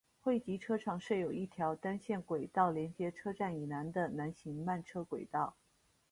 汇集车厂设有一条单线轨道连接车站以南的南行慢车轨道。